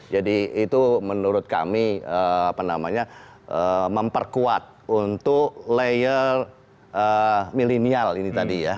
jadi itu menurut kami memperkuat untuk layer milenial ini tadi ya